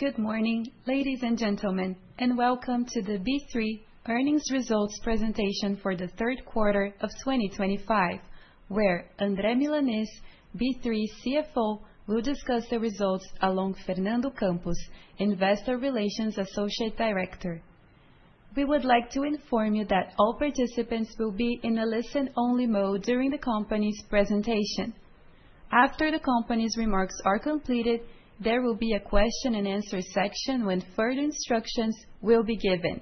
Good morning, ladies and gentlemen, and welcome to the B3 earnings results presentation for the third quarter of 2025, where André Milanez, B3 CFO, will discuss the results along with Fernando Campos, investor relations associate director. We would like to inform you that all participants will be in a listen-only mode during the company's presentation. After the company's remarks are completed, there will be a question-and-answer section when further instructions will be given.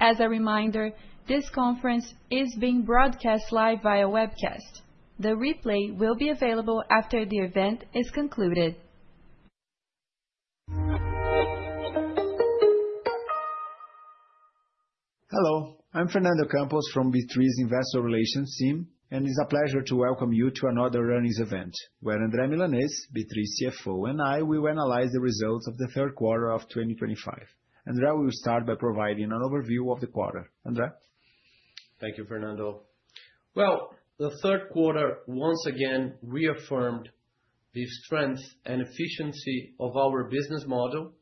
As a reminder, this conference is being broadcast live via webcast. The replay will be available after the event is concluded. Hello, I'm Fernando Campos from B3's Investor Relations team, and it's a pleasure to welcome you to another earnings event where André Milanez, B3 CFO, and I will analyze the results of the third quarter of 2025. André, we'll start by providing an overview of the quarter. André? Thank you, Fernando. The third quarter once again reaffirmed the strength and efficiency of our business model.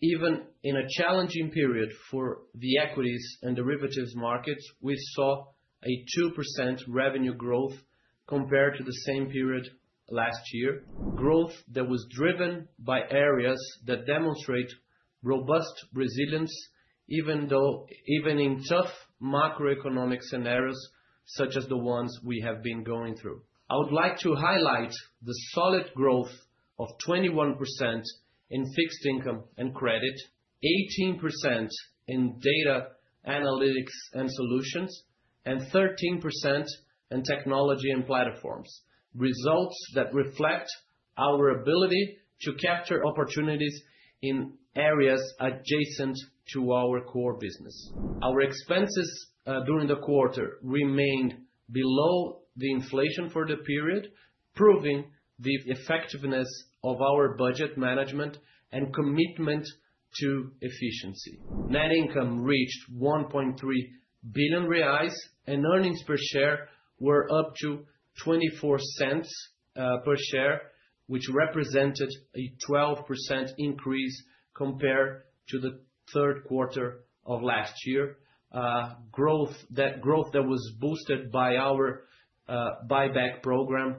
Even in a challenging period for the equities and derivatives markets, we saw a 2% revenue growth compared to the same period last year, growth that was driven by areas that demonstrate robust resilience, even though in tough macroeconomic scenarios such as the ones we have been going through. I would like to highlight the solid growth of 21% in fixed income and credit, 18% in data analytics and solutions, and 13% in technology and platforms, results that reflect our ability to capture opportunities in areas adjacent to our core business. Our expenses during the quarter remained below the inflation for the period, proving the effectiveness of our budget management and commitment to efficiency. Net income reached 1.3 billion reais, and earnings per share were up to 0.24 per share, which represented a 12% increase compared to the third quarter of last year, growth that was boosted by our buyback program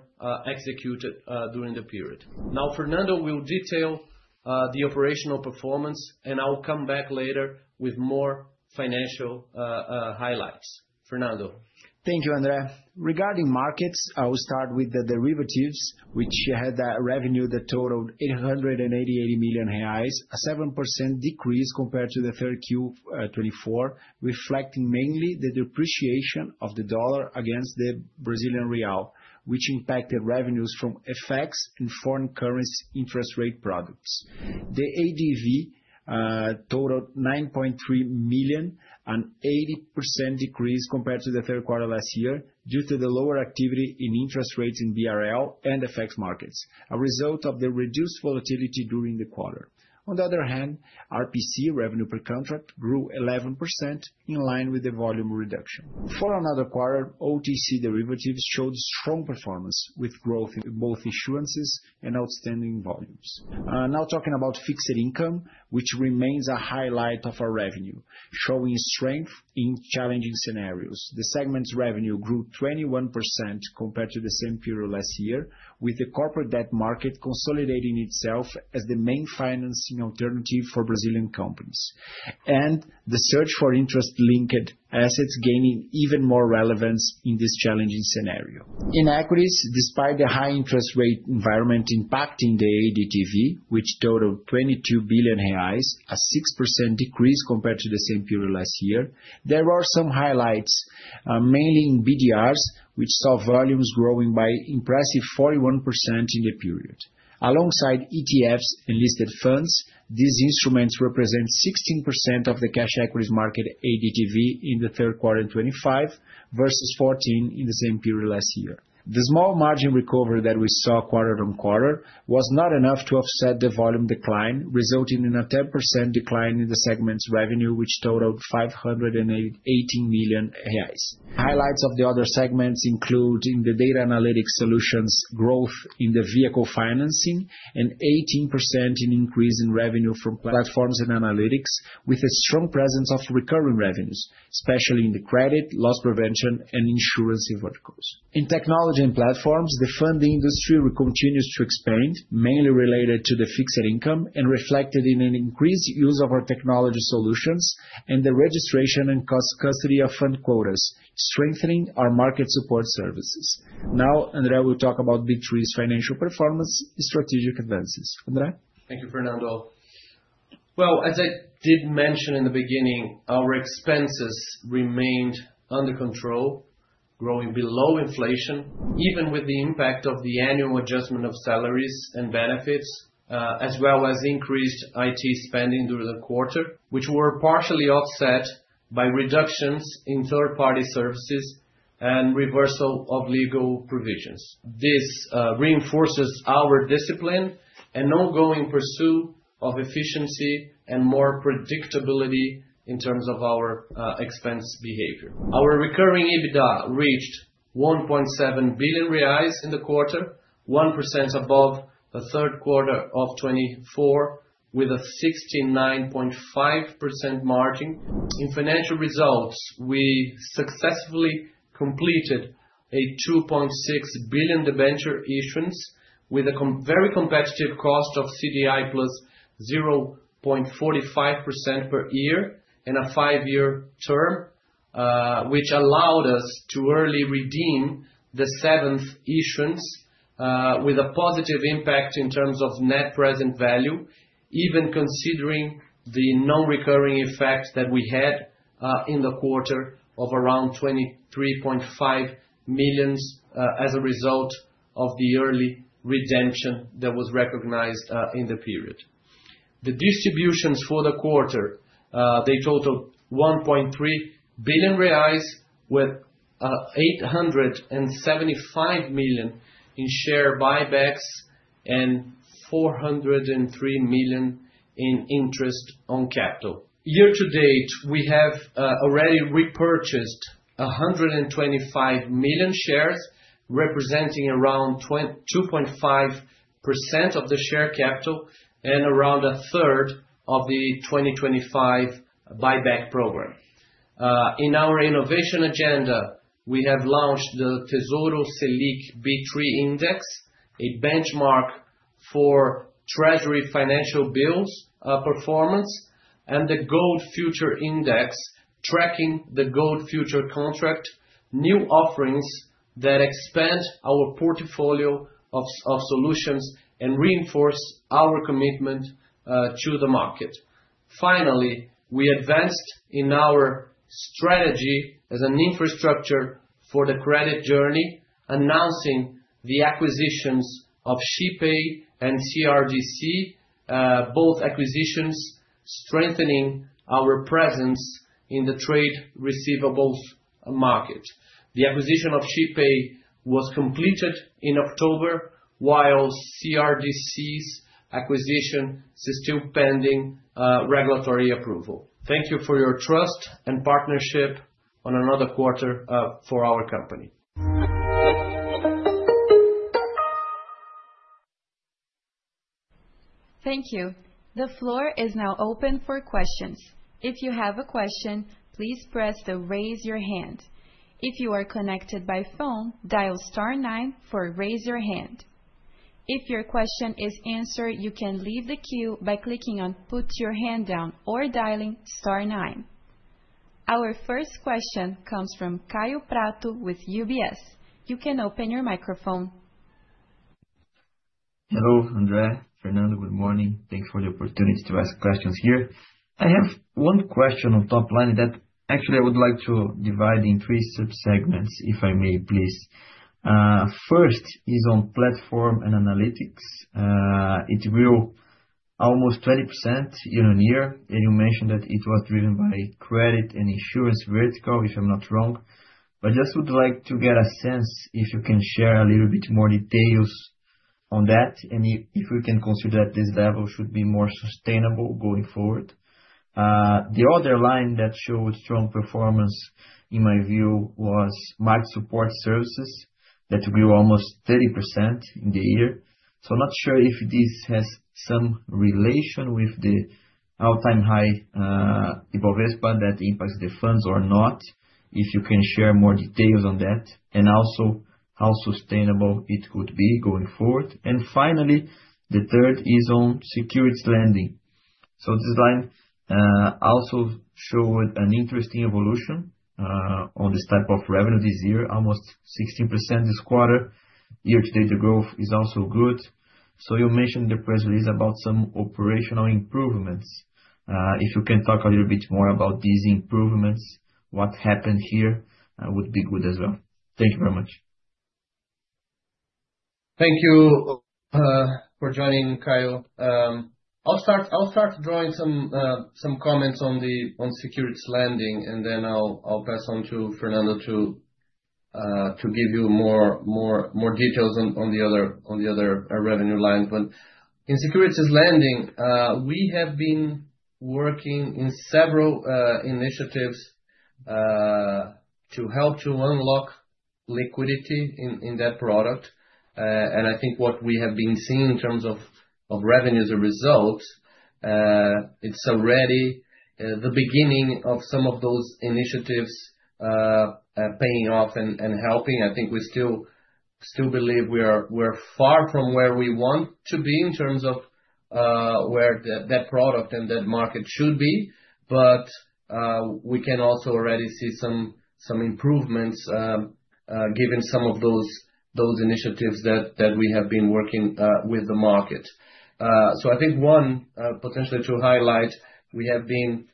executed during the period. Now, Fernando will detail the operational performance, and I'll come back later with more financial highlights. Fernando. Thank you, André. Regarding markets, I will start with the derivatives, which had revenue that totaled 888 million reais, a 7% decrease compared to the third Q2024, reflecting mainly the depreciation of the dollar against the Brazilian Real, which impacted revenues from FX and foreign currency interest rate products. The ADV totaled 9.3 million, an 80% decrease compared to the third quarter last year due to the lower activity in interest rates in BRL and FX markets, a result of the reduced volatility during the quarter. On the other hand, RPC, revenue per contract, grew 11% in line with the volume reduction. For another quarter, OTC derivatives showed strong performance with growth in both issuances and outstanding volumes. Now talking about fixed income, which remains a highlight of our revenue, showing strength in challenging scenarios. The segment's revenue grew 21% compared to the same period last year, with the corporate debt market consolidating itself as the main financing alternative for Brazilian companies, and the search for interest-linked assets gaining even more relevance in this challenging scenario. In equities, despite the high interest rate environment impacting the ADV, which totaled 22 billion reais, a 6% decrease compared to the same period last year, there are some highlights, mainly in BDRs, which saw volumes growing by an impressive 41% in the period. Alongside ETFs and listed funds, these instruments represent 16% of the cash equities market ADV in the third quarter of 2025 versus 14% in the same period last year. The small margin recovery that we saw quarter on quarter was not enough to offset the volume decline, resulting in a 10% decline in the segment's revenue, which totaled 518 million reais. Highlights of the other segments include in the data analytics solutions growth in the vehicle financing and 18% in increase in revenue from platforms and analytics, with a strong presence of recurring revenues, especially in the credit, loss prevention, and insurance verticals. In technology and platforms, the fund industry continues to expand, mainly related to the fixed income and reflected in an increased use of our technology solutions and the registration and custody of fund quotas, strengthening our market support services. Now, André, we'll talk about B3's financial performance and strategic advances. André? Thank you, Fernando. As I did mention in the beginning, our expenses remained under control, growing below inflation, even with the impact of the annual adjustment of salaries and benefits, as well as increased IT spending during the quarter, which were partially offset by reductions in third-party services and reversal of legal provisions. This reinforces our discipline and ongoing pursuit of efficiency and more predictability in terms of our expense behavior. Our recurring EBITDA reached 1.7 billion reais in the quarter, 1% above the third quarter of 2024, with a 69.5% margin. In financial results, we successfully completed a 2.6 billion debenture issuance with a very competitive cost of CDI plus 0.45% per year and a five-year term, which allowed us to early redeem the seventh issuance with a positive impact in terms of net present value, even considering the non-recurring effect that we had in the quarter of around 23.5 million as a result of the early redemption that was recognized in the period. The distributions for the quarter, they totaled 1.3 billion reais, with 875 million in share buybacks and 403 million in interest on capital. Year to date, we have already repurchased 125 million shares, representing around 2.5% of the share capital and around a third of the 2025 buyback program. In our innovation agenda, we have launched the Tesouro Selic B3 Index, a benchmark for Treasury financial bills performance, and the Gold Futures Index, tracking the gold future contract, new offerings that expand our portfolio of solutions and reinforce our commitment to the market. Finally, we advanced in our strategy as an infrastructure for the credit journey, announcing the acquisitions of Shippay and CRDC, both acquisitions strengthening our presence in the trade receivables market. The acquisition of Shippay was completed in October, while CRDC's acquisition is still pending regulatory approval. Thank you for your trust and partnership on another quarter for our company. Thank you. The floor is now open for questions. If you have a question, please press to raise your hand. If you are connected by phone, dial star nine to raise your hand. If your question is answered, you can leave the queue by clicking on put your hand down or dialing star nine. Our first question comes from Kaio Prato with UBS. You can open your microphone. Hello, André. Fernando, good morning. Thank you for the opportunity to ask questions here. I have one question on top line that actually I would like to divide in three subsegments, if I may, please. First is on platform and analytics. It grew almost 20% year on year, and you mentioned that it was driven by credit and insurance vertical, if I'm not wrong. But I just would like to get a sense if you can share a little bit more details on that and if we can consider that this level should be more sustainable going forward. The other line that showed strong performance, in my view, was market support services that grew almost 30% in the year. I'm not sure if this has some relation with the all-time high IBOVESPA that impacts the funds or not, if you can share more details on that, and also how sustainable it could be going forward. Finally, the third is on securities lending. This line also showed an interesting evolution on this type of revenue this year, almost 16% this quarter. Year to date, the growth is also good. You mentioned the press release about some operational improvements. If you can talk a little bit more about these improvements, what happened here would be good as well. Thank you very much. Thank you for joining, Kaio. I'll start drawing some comments on securities lending, and then I'll pass on to Fernando to give you more details on the other revenue lines, but in securities lending, we have been working in several initiatives to help to unlock liquidity in that product, and I think what we have been seeing in terms of revenues and results, it's already the beginning of some of those initiatives paying off and helping. I think we still believe we're far from where we want to be in terms of where that product and that market should be, but we can also already see some improvements given some of those initiatives that we have been working with the market. So I think one potentially to highlight, we have been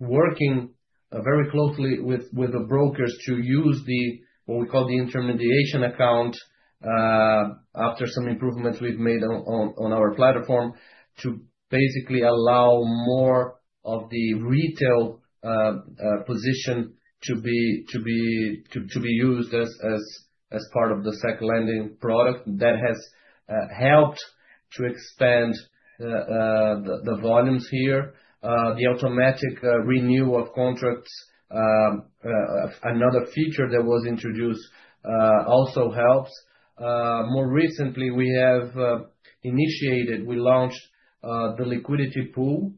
working very closely with the brokers to use the what we call the intermediation account after some improvements we've made on our platform to basically allow more of the retail position to be used as part of the SEC lending product that has helped to expand the volumes here. The automatic renewal of contracts, another feature that was introduced, also helps. More recently, we have initiated, we launched the liquidity pool,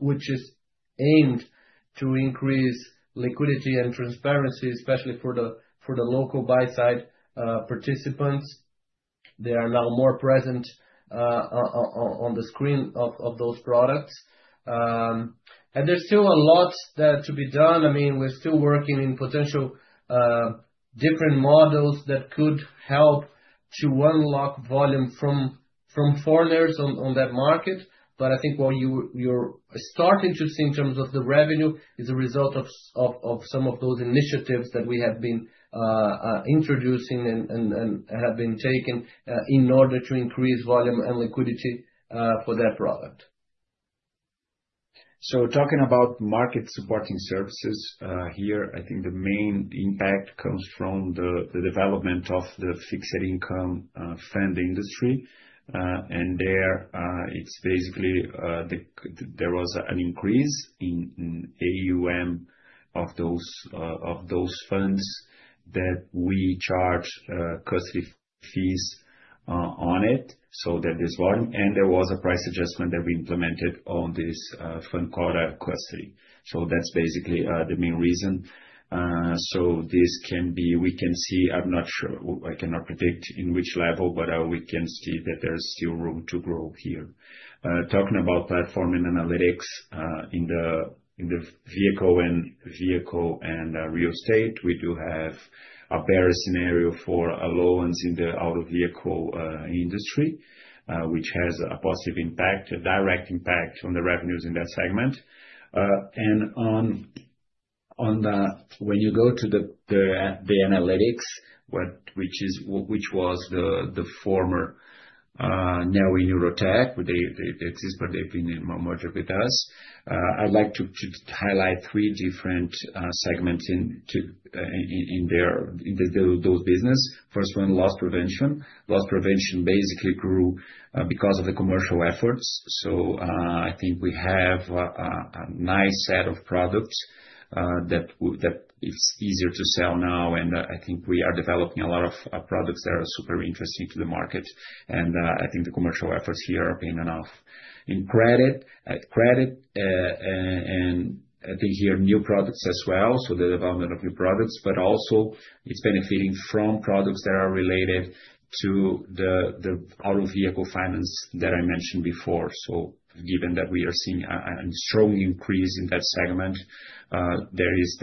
which is aimed to increase liquidity and transparency, especially for the local buy-side participants. They are now more present on the screen of those products. And there's still a lot to be done. I mean, we're still working in potential different models that could help to unlock volume from foreigners on that market. But I think what you're starting to see in terms of the revenue is a result of some of those initiatives that we have been introducing and have been taking in order to increase volume and liquidity for that product. Talking about market supporting services here, I think the main impact comes from the development of the fixed income fund industry. There, it's basically there was an increase in AUM of those funds that we charge custody fees on it so that there's volume. There was a price adjustment that we implemented on this fund called custody. That's basically the main reason. This can be, we can see, I'm not sure, I cannot predict in which level, but we can see that there's still room to grow here. Talking about platform and analytics in the vehicle and real estate, we do have a bearish scenario for allowance in the auto vehicle industry, which has a positive impact, a direct impact on the revenues in that segment. When you go to the analytics, which was the former Neoway Neurotech, they exist, but they've been merged with us. I'd like to highlight three different segments in those businesses. First one, loss prevention. Loss prevention basically grew because of the commercial efforts. So I think we have a nice set of products that it's easier to sell now. And I think we are developing a lot of products that are super interesting to the market. And I think the commercial efforts here are paying enough. In credit, and I think here new products as well, so the development of new products, but also it's benefiting from products that are related to the auto vehicle finance that I mentioned before. So given that we are seeing a strong increase in that segment, there is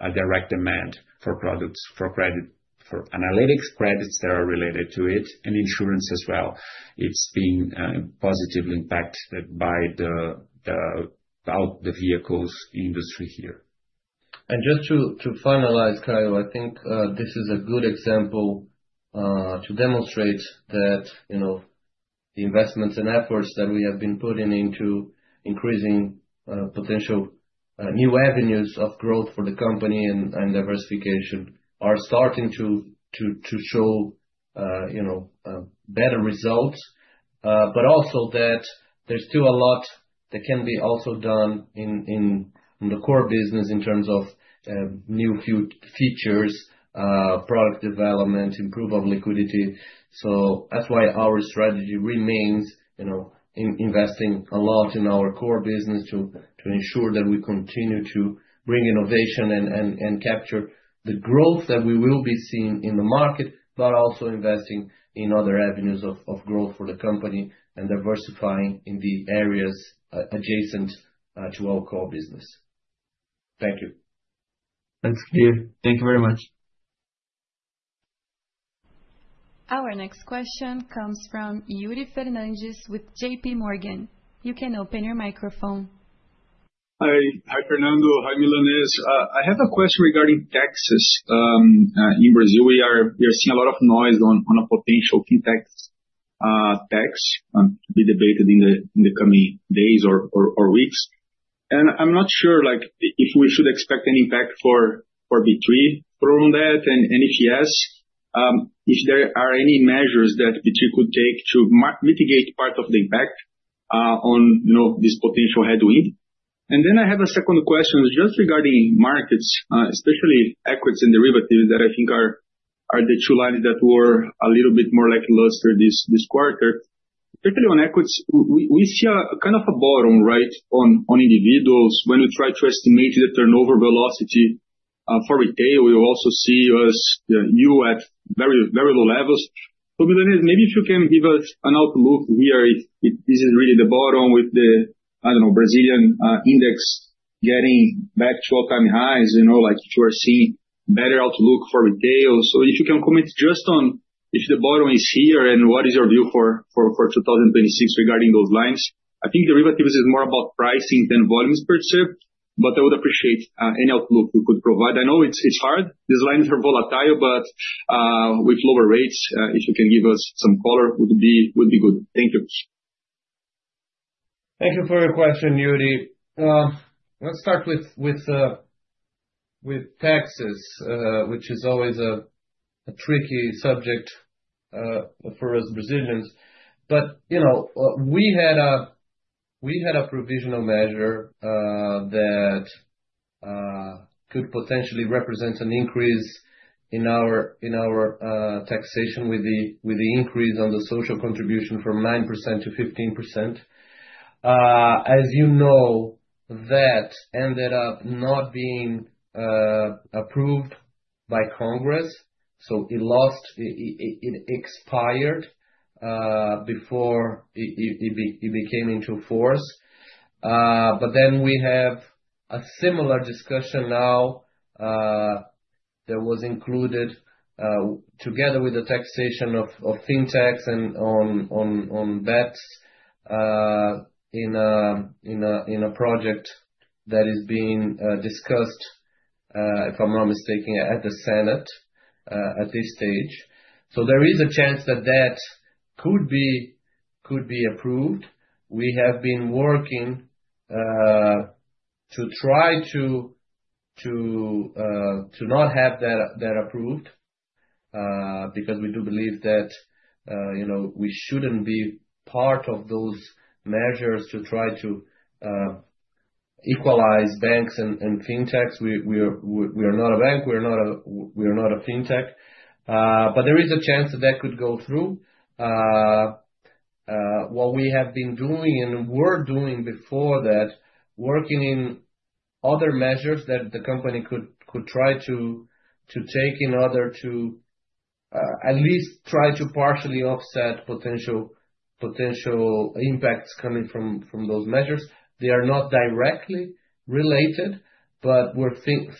a direct demand for products, for analytics credits that are related to it, and insurance as well. It's been positively impacted by the vehicles industry here. Just to finalize, Kaio, I think this is a good example to demonstrate that the investments and efforts that we have been putting into increasing potential new avenues of growth for the company and diversification are starting to show better results. But also that there's still a lot that can be also done in the core business in terms of new features, product development, improve on liquidity. So that's why our strategy remains investing a lot in our core business to ensure that we continue to bring innovation and capture the growth that we will be seeing in the market, but also investing in other avenues of growth for the company and diversifying in the areas adjacent to our core business. Thank you. Thanks, Kaio. Thank you very much. Our next question comes from Yuri Fernandes with JPMorgan. You can open your microphone. Hi, Fernando. Hi, Milanez. I have a question regarding taxes. In Brazil, we are seeing a lot of noise on a potential fintech tax to be debated in the coming days or weeks. And I'm not sure if we should expect an impact for B3 from that. And if yes, if there are any measures that B3 could take to mitigate part of the impact on this potential headwind. And then I have a second question just regarding markets, especially equities and derivatives that I think are the two lines that were a little bit more lackluster this quarter. Particularly on equities, we see a kind of a bottoming out on individuals when we try to estimate the turnover velocity for retail. We also see U.S. too at very low levels. Milanez, maybe if you can give us an outlook here. This is really the bottom with the, I don't know, Brazilian index getting back to all-time highs, like if you are seeing better outlook for retail. So if you can comment just on if the bottom is here and what is your view for 2026 regarding those lines. I think derivatives is more about pricing than volumes per se, but I would appreciate any outlook you could provide. I know it's hard. These lines are volatile, but with lower rates, if you can give us some color, would be good. Thank you. Thank you for your question, Yuri. Let's start with taxes, which is always a tricky subject for us Brazilians. But we had a provisional measure that could potentially represent an increase in our taxation with the increase on the social contribution from 9%-15%. As you know, that ended up not being approved by Congress. So it lost, it expired before it became into force. But then we have a similar discussion now that was included together with the taxation of fintechs and on bets in a project that is being discussed, if I'm not mistaken, at the Senate at this stage. So there is a chance that that could be approved. We have been working to try to not have that approved because we do believe that we shouldn't be part of those measures to try to equalize banks and fintechs. We are not a bank, we are not a fintech. But there is a chance that that could go through. What we have been doing and were doing before that, working in other measures that the company could try to take in order to at least try to partially offset potential impacts coming from those measures. They are not directly related, but we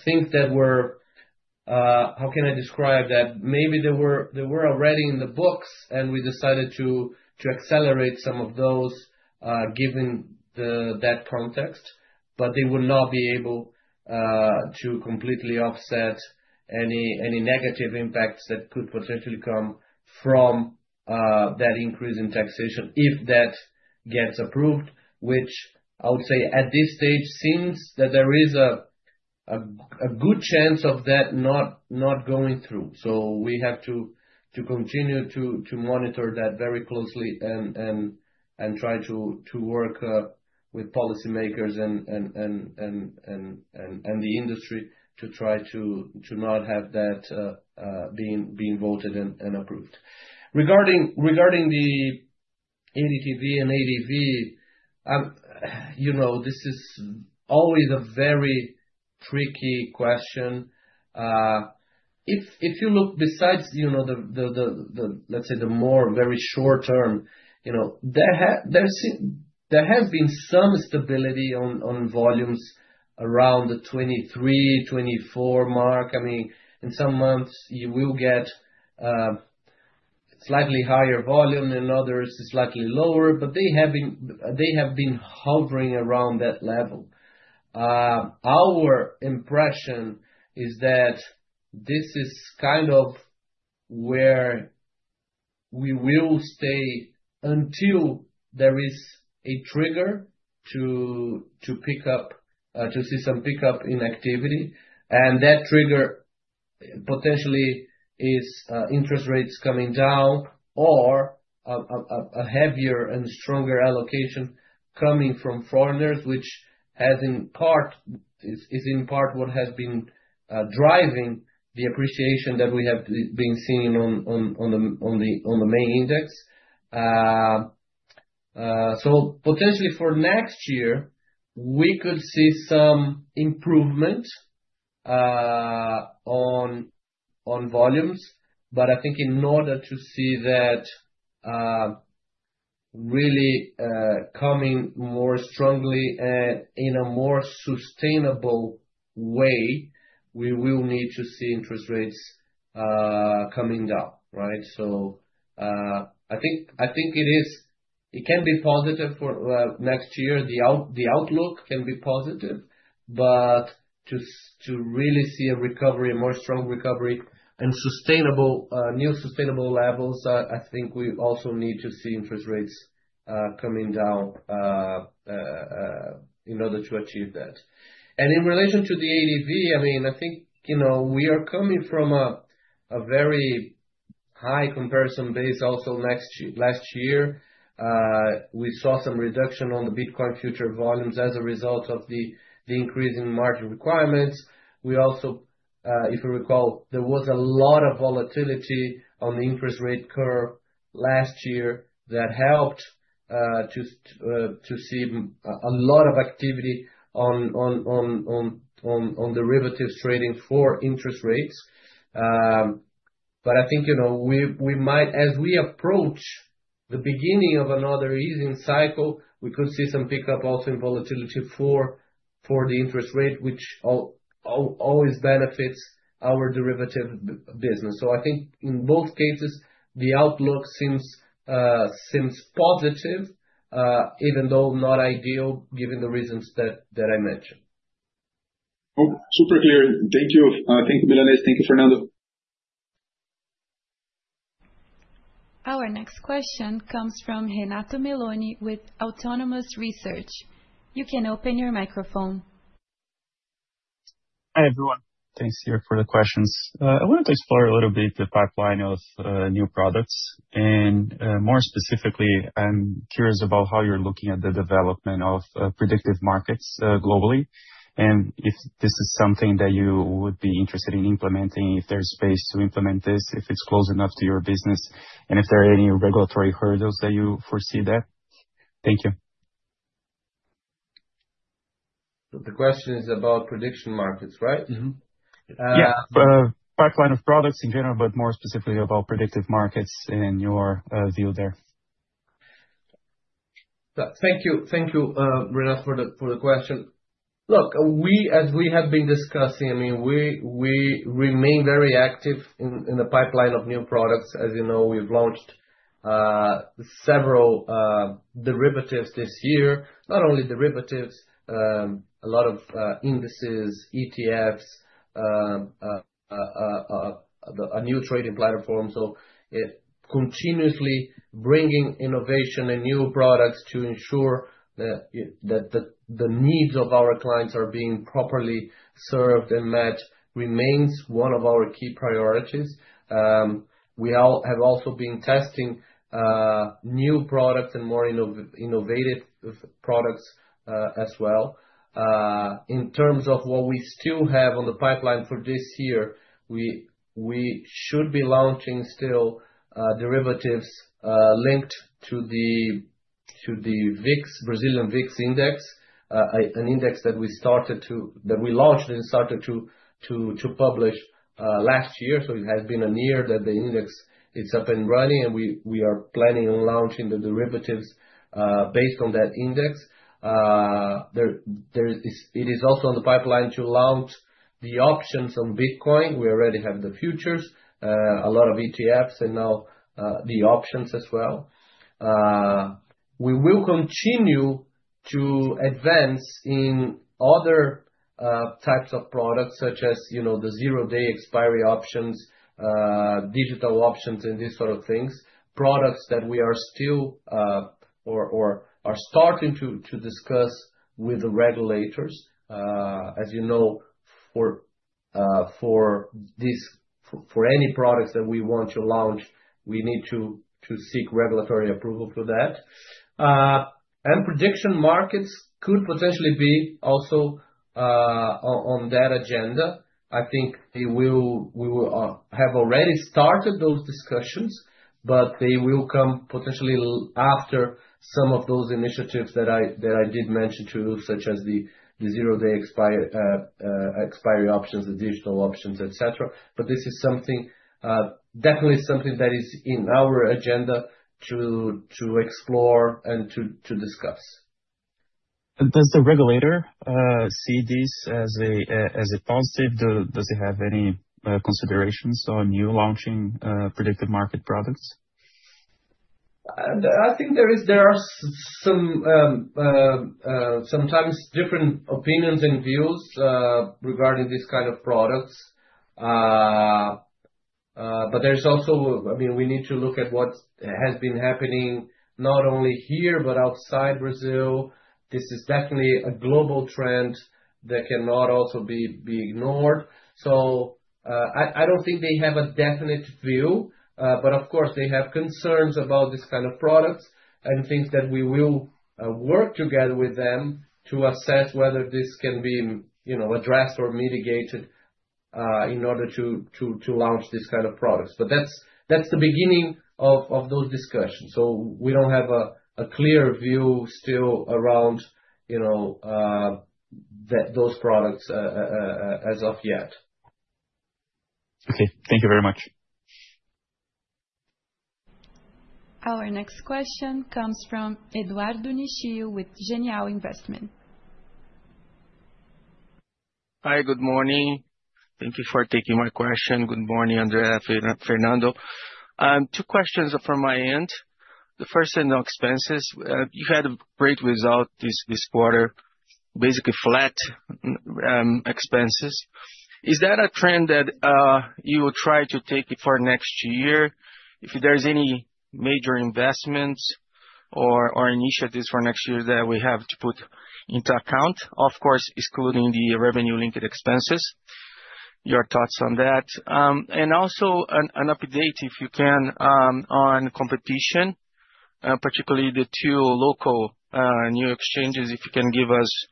think that we're, how can I describe that? Maybe they were already in the books, and we decided to accelerate some of those given that context, but they will not be able to completely offset any negative impacts that could potentially come from that increase in taxation if that gets approved, which I would say at this stage seems that there is a good chance of that not going through. We have to continue to monitor that very closely and try to work with policymakers and the industry to try to not have that being voted and approved. Regarding the ADTV and ADV, this is always a very tricky question. If you look besides, let's say, the more very short term, there has been some stability on volumes around the 23, 24 mark. I mean, in some months, you will get slightly higher volume and others slightly lower, but they have been hovering around that level. Our impression is that this is kind of where we will stay until there is a trigger to see some pickup in activity. That trigger potentially is interest rates coming down or a heavier and stronger allocation coming from foreigners, which has in part, is in part what has been driving the appreciation that we have been seeing on the main index. Potentially for next year, we could see some improvement on volumes, but I think in order to see that really coming more strongly and in a more sustainable way, we will need to see interest rates coming down, right? I think it can be positive for next year. The outlook can be positive, but to really see a recovery, a more strong recovery and new sustainable levels, I think we also need to see interest rates coming down in order to achieve that, and in relation to the ADV, I mean, I think we are coming from a very high comparison base also last year. We saw some reduction on the Bitcoin futures volumes as a result of the increase in margin requirements. We also, if you recall, there was a lot of volatility on the interest rate curve last year that helped to see a lot of activity on derivatives trading for interest rates. But I think as we approach the beginning of another easing cycle, we could see some pickup also in volatility for the interest rate, which always benefits our derivative business. So I think in both cases, the outlook seems positive, even though not ideal given the reasons that I mentioned. Super clear. Thank you. Thank you, Milanez. Thank you, Fernando. Our next question comes from Renato Meloni with Autonomous Research. You can open your microphone. Hi everyone. Thanks here for the questions. I wanted to explore a little bit the pipeline of new products, and more specifically, I'm curious about how you're looking at the development of predictive markets globally, and if this is something that you would be interested in implementing, if there's space to implement this, if it's close enough to your business, and if there are any regulatory hurdles that you foresee that. Thank you. So the question is about prediction markets, right? Yeah. Pipeline of products in general, but more specifically about predictive markets and your view there. Thank you, Renato, for the question. Look, as we have been discussing, I mean, we remain very active in the pipeline of new products. As you know, we've launched several derivatives this year, not only derivatives, a lot of indices, ETFs, a new trading platform. So continuously bringing innovation and new products to ensure that the needs of our clients are being properly served and met remains one of our key priorities. We have also been testing new products and more innovative products as well. In terms of what we still have on the pipeline for this year, we should be launching still derivatives linked to the Brazilian VIX Index, an index that we launched and started to publish last year. So it has been a year that the index is up and running, and we are planning on launching the derivatives based on that index. It is also in the pipeline to launch the options on Bitcoin. We already have the futures, a lot of ETFs, and now the options as well. We will continue to advance in other types of products such as the zero-day expiry options, digital options, and these sort of things, products that we are still or are starting to discuss with the regulators. As you know, for any products that we want to launch, we need to seek regulatory approval for that, and prediction markets could potentially be also on that agenda. I think we will have already started those discussions, but they will come potentially after some of those initiatives that I did mention to you, such as the zero-day expiry options, the digital options, etc., but this is definitely something that is in our agenda to explore and to discuss. Does the regulator see these as a positive? Does it have any considerations on you launching predictive market products? I think there are sometimes different opinions and views regarding these kinds of products. But there's also, I mean, we need to look at what has been happening not only here, but outside Brazil. This is definitely a global trend that cannot also be ignored. So I don't think they have a definite view, but of course, they have concerns about this kind of products and things that we will work together with them to assess whether this can be addressed or mitigated in order to launch these kinds of products. But that's the beginning of those discussions. So we don't have a clear view still around those products as of yet. Okay. Thank you very much. Our next question comes from Eduardo Nishio with Genial Investimentos. Hi, good morning. Thank you for taking my question. Good morning, André and Fernando. Two questions from my end. The first is on expenses. You had a great result this quarter, basically flat expenses. Is that a trend that you will try to take for next year? If there's any major investments or initiatives for next year that we have to put into account, of course, excluding the revenue-linked expenses, your thoughts on that? Also an update, if you can, on competition, particularly the two local new exchanges, if you can give us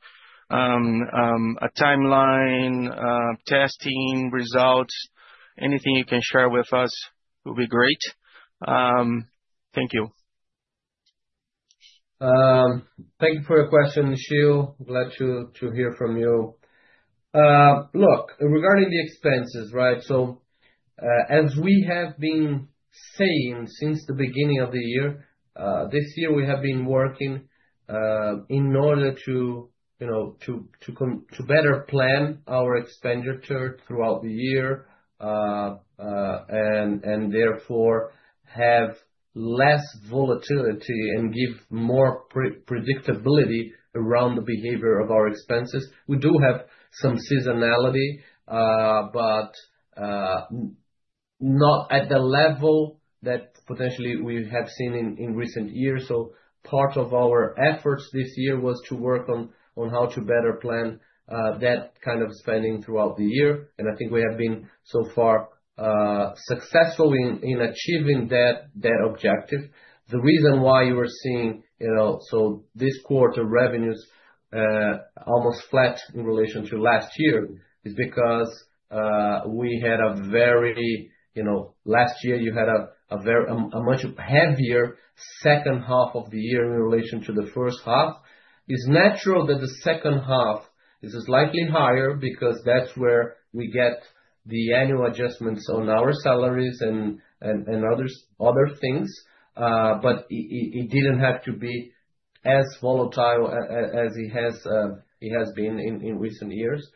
a timeline, testing results, anything you can share with us would be great. Thank you. Thank you for your question, Nishio. Glad to hear from you. Look, regarding the expenses, right? So as we have been saying since the beginning of the year, this year we have been working in order to better plan our expenditure throughout the year and therefore have less volatility and give more predictability around the behavior of our expenses. We do have some seasonality, but not at the level that potentially we have seen in recent years. So part of our efforts this year was to work on how to better plan that kind of spending throughout the year. And I think we have been so far successful in achieving that objective. The reason why you are seeing this quarter revenues almost flat in relation to last year is because last year we had a very heavy second half of the year in relation to the first half. It's natural that the second half is slightly higher because that's where we get the annual adjustments on our salaries and other things. But it didn't have to be as volatile as it has been in recent years.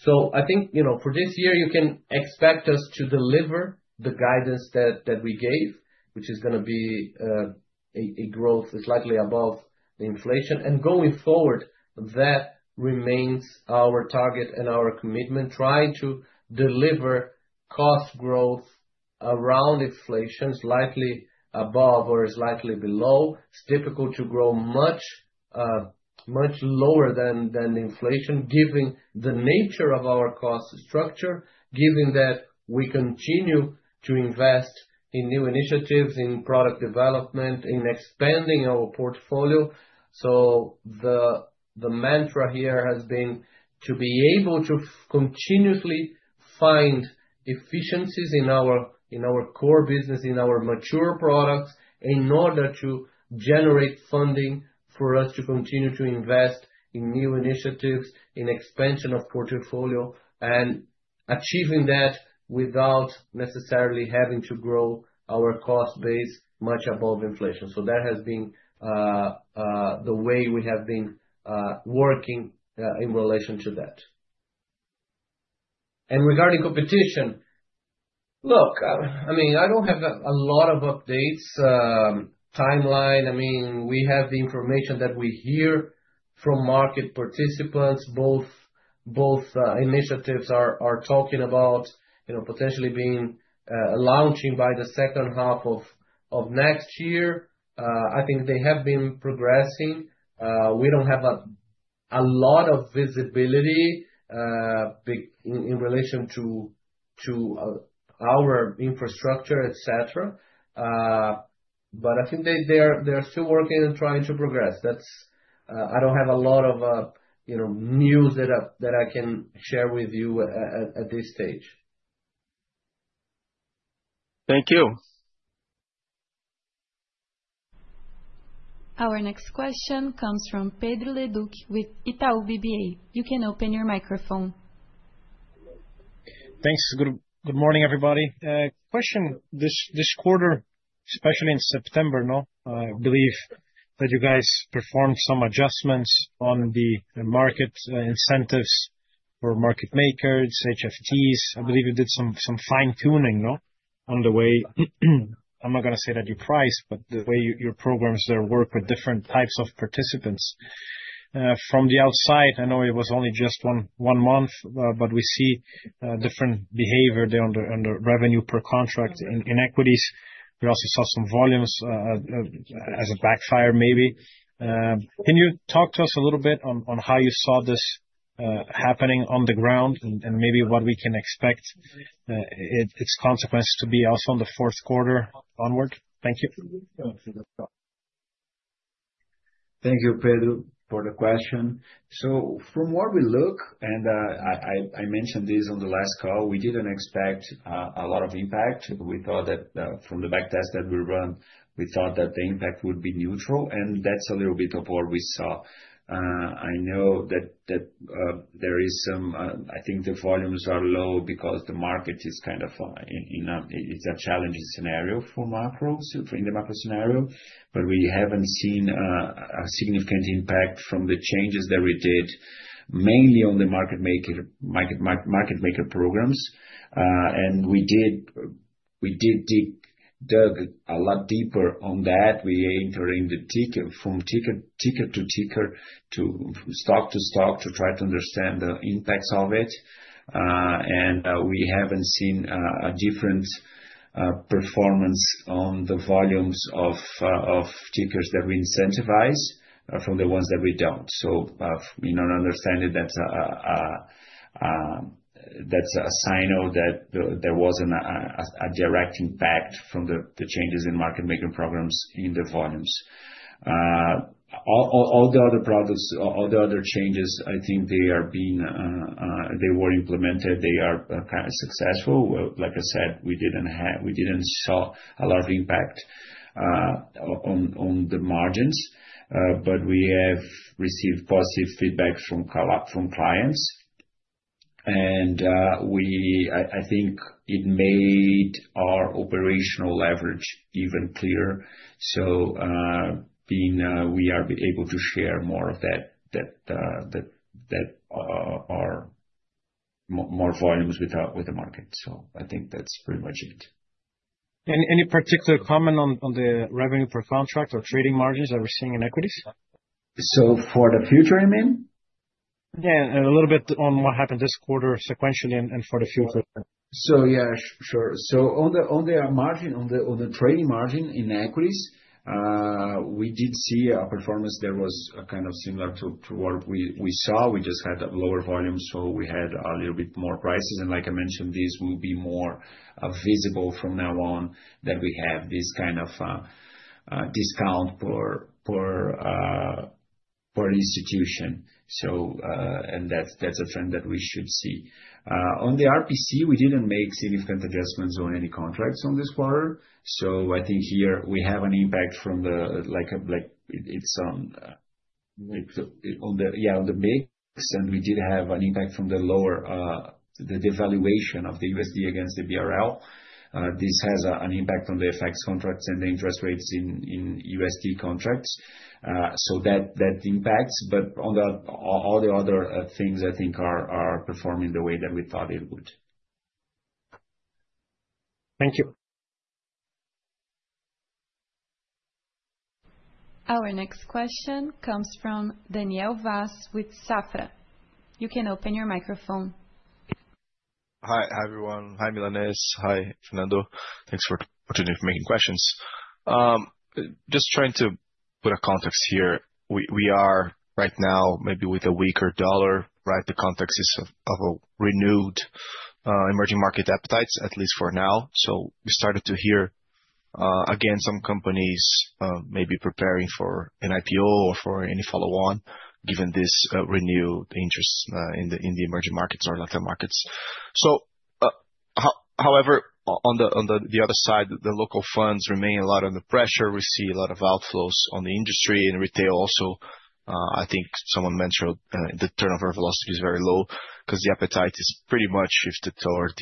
So I think for this year, you can expect us to deliver the guidance that we gave, which is going to be a growth slightly above the inflation, and going forward, that remains our target and our commitment, trying to deliver cost growth around inflation, slightly above or slightly below. It's difficult to grow much lower than the inflation, given the nature of our cost structure, given that we continue to invest in new initiatives, in product development, in expanding our portfolio. So the mantra here has been to be able to continuously find efficiencies in our core business, in our mature products, in order to generate funding for us to continue to invest in new initiatives, in expansion of portfolio, and achieving that without necessarily having to grow our cost base much above inflation. So that has been the way we have been working in relation to that. Regarding competition, look, I mean, I don't have a lot of updates, timeline. I mean, we have the information that we hear from market participants. Both initiatives are talking about potentially being launching by the second half of next year. I think they have been progressing. We don't have a lot of visibility in relation to our infrastructure, etc. But I think they are still working and trying to progress. I don't have a lot of news that I can share with you at this stage. Thank you. Our next question comes from Pedro Leduc with Itaú BBA. You can open your microphone. Thanks. Good morning, everybody. Question. This quarter, especially in September, I believe that you guys performed some adjustments on the market incentives for market makers, HFTs. I believe you did some fine-tuning on the way I'm not going to say that you priced, but the way your programs work with different types of participants. From the outside, I know it was only just one month, but we see different behavior on the revenue per contract in equities. We also saw some volumes as a backfire, maybe. Can you talk to us a little bit on how you saw this happening on the ground and maybe what we can expect its consequences to be also in the fourth quarter onward? Thank you. Thank you, Pedro, for the question. So from what we look, and I mentioned this on the last call, we didn't expect a lot of impact. We thought that from the back test that we run, we thought that the impact would be neutral. And that's a little bit of what we saw. I know that there is some, I think the volumes are low because the market is kind of in a challenging scenario for macro, in the macro scenario. But we haven't seen a significant impact from the changes that we did, mainly on the market maker programs. And we did dig a lot deeper on that. We entered in the ticker from ticker to stock to stock to try to understand the impacts of it. We haven't seen a different performance on the volumes of tickers that we incentivize from the ones that we don't. So in our understanding, that's a sign that there wasn't a direct impact from the changes in market maker programs in the volumes. All the other products, all the other changes, I think they were implemented. They are kind of successful. Like I said, we didn't show a lot of impact on the margins, but we have received positive feedback from clients. I think it made our operational leverage even clearer. So we are able to share more of that, more volumes with the market. So I think that's pretty much it. Any particular comment on the revenue per contract or trading margins that we're seeing in equities? So for the future, you mean? Yeah, a little bit on what happened this quarter sequentially and for the future. Yeah, sure. On the margin, on the trading margin in equities, we did see a performance that was kind of similar to what we saw. We just had lower volumes, so we had a little bit more prices. Like I mentioned, this will be more visible from now on that we have this kind of discount per institution. That's a trend that we should see. On the RPC, we didn't make significant adjustments on any contracts on this quarter. I think here we have an impact from the VIX, and we did have an impact from the devaluation of the USD against the BRL. This has an impact on the FX contracts and the interest rates in USD contracts. So that impacts, but all the other things I think are performing the way that we thought it would. Thank you. Our next question comes from Daniel Vaz with Safra. You can open your microphone. Hi, everyone. Hi, Milanez. Hi, Fernando. Thanks for taking questions. Just trying to put a context here. We are right now maybe with a weaker dollar, right? The context is of a renewed emerging market appetite, at least for now. We started to hear again some companies maybe preparing for an IPO or for any follow-on, given this renewed interest in the emerging markets or Latin markets. However, on the other side, the local funds remain a lot under pressure. We see a lot of outflows on the industry and retail also. I think someone mentioned the turnover velocity is very low because the appetite is pretty much shifted toward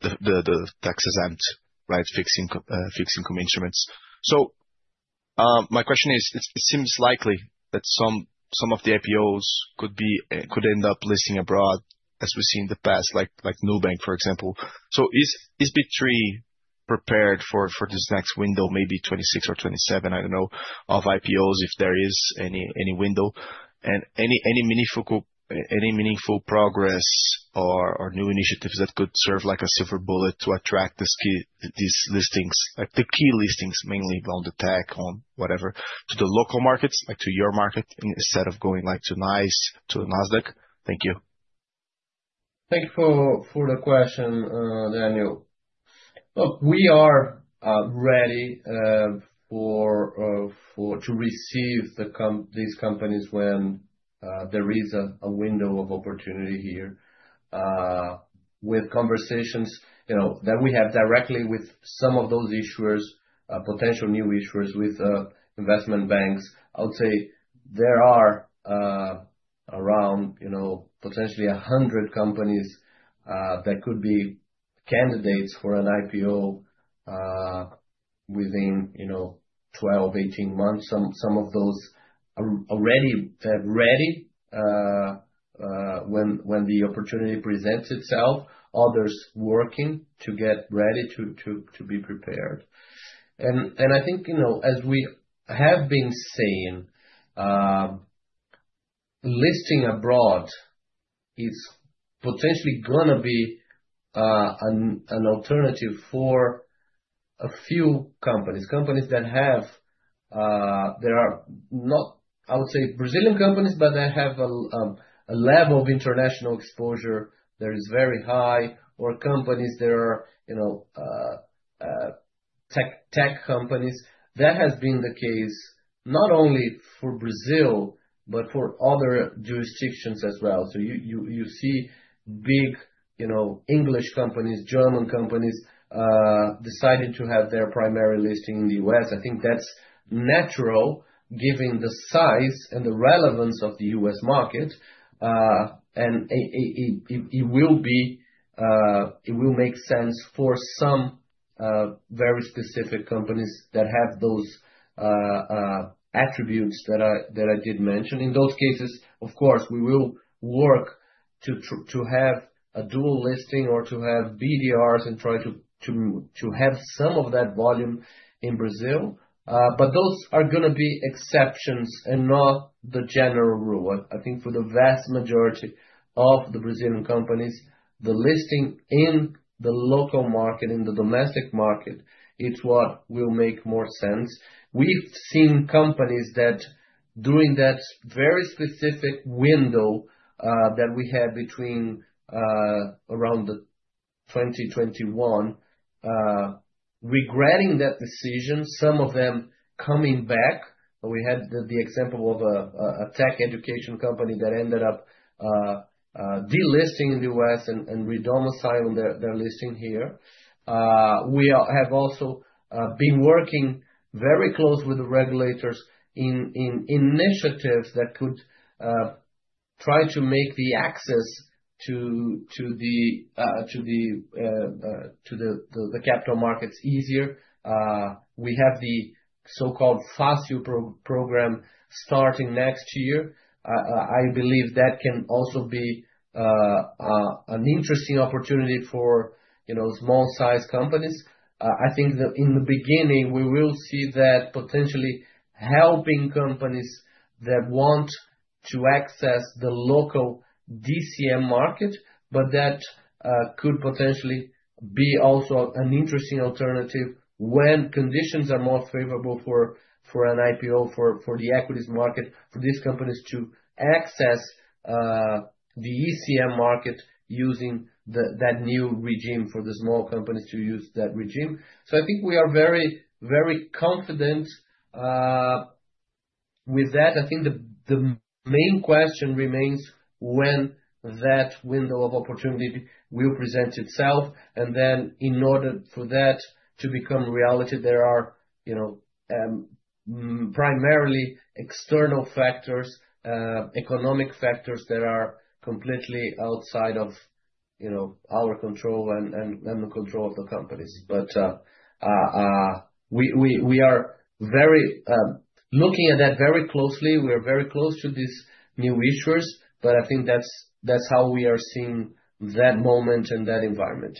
the tax-exempt, right, fixed income instruments. My question is, it seems likely that some of the IPOs could end up listing abroad, as we've seen in the past, like Nubank, for example. So is B3 prepared for this next window, maybe 2026 or 2027, I don't know, of IPOs if there is any window? And any meaningful progress or new initiatives that could serve like a silver bullet to attract these listings, like the key listings, mainly on the tech, on whatever, to the local markets, like to your market, instead of going to NYSE to NASDAQ? Thank you. Thank you for the question, Daniel. Look, we are ready to receive these companies when there is a window of opportunity here with conversations that we have directly with some of those issuers, potential new issuers with investment banks. I would say there are around potentially 100 companies that could be candidates for an IPO within 12-18 months. Some of those are ready when the opportunity presents itself, others working to get ready to be prepared, and I think, as we have been saying, listing abroad is potentially going to be an alternative for a few companies, companies that have, there are not, I would say, Brazilian companies, but they have a level of international exposure that is very high, or companies that are tech companies. That has been the case not only for Brazil, but for other jurisdictions as well. So you see big English companies, German companies deciding to have their primary listing in the U.S. I think that's natural given the size and the relevance of the U.S. market. And it will make sense for some very specific companies that have those attributes that I did mention. In those cases, of course, we will work to have a dual listing or to have BDRs and try to have some of that volume in Brazil. But those are going to be exceptions and not the general rule. I think for the vast majority of the Brazilian companies, the listing in the local market, in the domestic market, it's what will make more sense. We've seen companies that during that very specific window that we had between around 2021, regretting that decision, some of them coming back. We had the example of a tech education company that ended up delisting in the U.S. and re-domiciling their listing here. We have also been working very close with the regulators in initiatives that could try to make the access to the capital markets easier. We have the so-called FASU program starting next year. I believe that can also be an interesting opportunity for small-sized companies. I think in the beginning, we will see that potentially helping companies that want to access the local DCM market, but that could potentially be also an interesting alternative when conditions are more favorable for an IPO, for the equities market, for these companies to access the ECM market using that new regime for the small companies to use that regime. So I think we are very, very confident with that. I think the main question remains when that window of opportunity will present itself. And then in order for that to become reality, there are primarily external factors, economic factors that are completely outside of our control and the control of the companies. But we are looking at that very closely. We are very close to these new issuers, but I think that's how we are seeing that moment and that environment.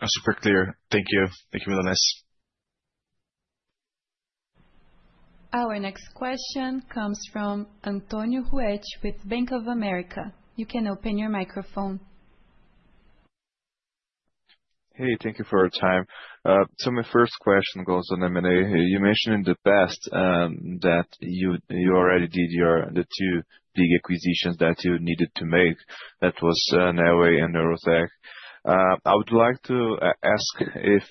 That's super clear. Thank you. Thank you, Milanez. Our next question comes from Antonio Ruach with Bank of America. You can open your microphone. Hey, thank you for your time. So my first question goes on M&A. You mentioned in the past that you already did the two big acquisitions that you needed to make. That was Neoway and Neurotech. I would like to ask if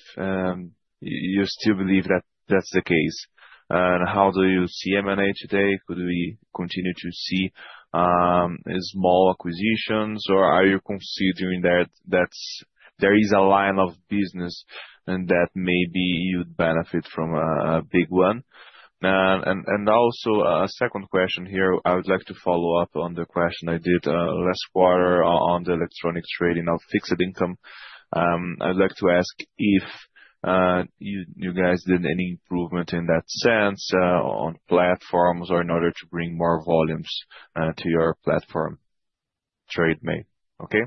you still believe that that's the case. And how do you see M&A today? Could we continue to see small acquisitions, or are you considering that there is a line of business and that maybe you'd benefit from a big one? And also a second question here. I would like to follow up on the question I did last quarter on the electronic trading of fixed income. I'd like to ask if you guys did any improvement in that sense on platforms or in order to bring more volumes to your platform TradeMap. Okay?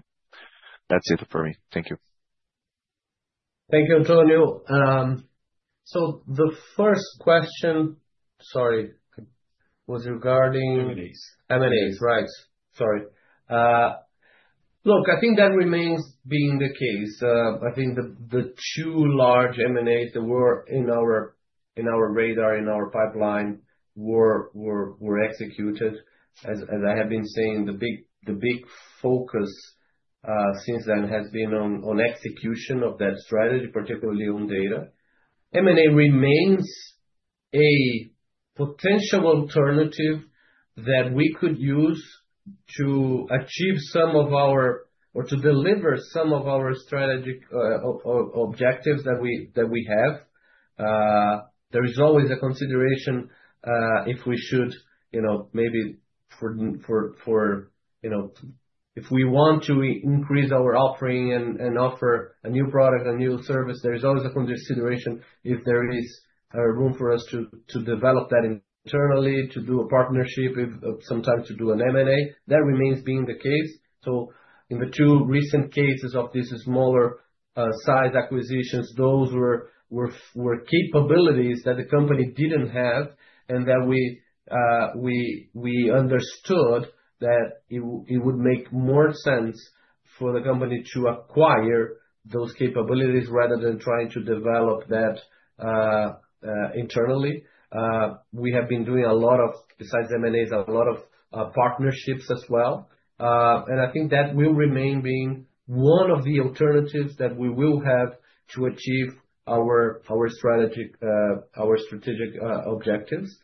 That's it for me. Thank you. Thank you, Antonio. So the first question, sorry, was regarding. M&As. M&As, right. Sorry. Look, I think that remains being the case. I think the two large M&As that were in our radar, in our pipeline, were executed. As I have been saying, the big focus since then has been on execution of that strategy, particularly on data. M&A remains a potential alternative that we could use to achieve some of our or to deliver some of our strategic objectives that we have. There is always a consideration if we should maybe for if we want to increase our offering and offer a new product, a new service. There is always a consideration if there is room for us to develop that internally, to do a partnership, sometimes to do an M&A. That remains being the case. So in the two recent cases of these smaller-sized acquisitions, those were capabilities that the company didn't have and that we understood that it would make more sense for the company to acquire those capabilities rather than trying to develop that internally. We have been doing a lot of, besides M&As, a lot of partnerships as well, and I think that will remain being one of the alternatives that we will have to achieve our strategic objectives,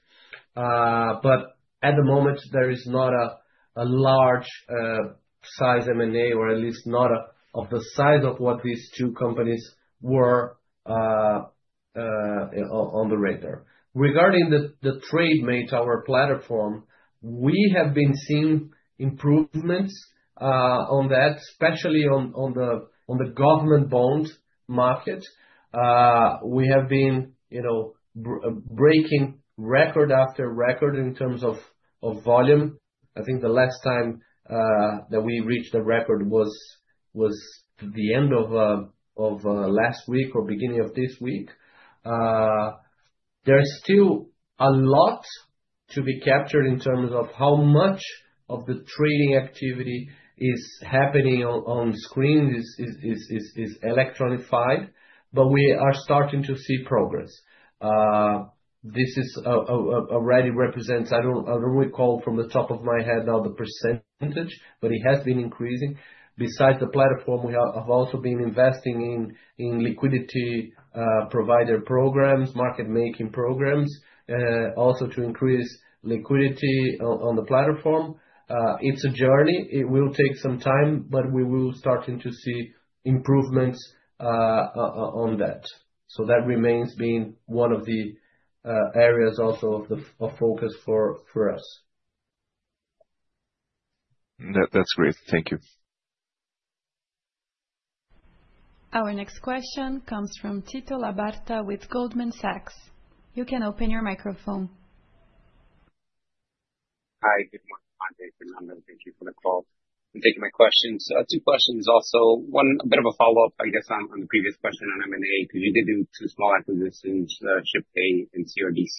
but at the moment, there is not a large-sized M&A, or at least not of the size of what these two companies were on the radar. Regarding the trades made on our platform, we have been seeing improvements on that, especially on the government bond market. We have been breaking record after record in terms of volume. I think the last time that we reached the record was the end of last week or beginning of this week. There's still a lot to be captured in terms of how much of the trading activity is happening on screen, is electronified, but we are starting to see progress. This already represents, I don't recall from the top of my head now the percentage, but it has been increasing. Besides the platform, we have also been investing in liquidity provider programs, market-making programs, also to increase liquidity on the platform. It's a journey. It will take some time, but we will start to see improvements on that. So that remains being one of the areas also of focus for us. That's great. Thank you. Our next question comes from Tito Labarta with Goldman Sachs. You can open your microphone. Hi. Good morning, André Fernando. Thank you for the call. I'm taking my questions. Two questions also. One, a bit of a follow-up, I guess, on the previous question on M&A, because you did do two small acquisitions, Shippay and CRDC,